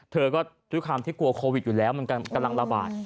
เธอก็ด้วยความที่กลัวโควิดอยู่แล้วมันกำลังระบาด